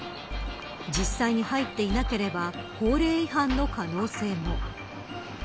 実際に入っていなければ法令違反の可能性も。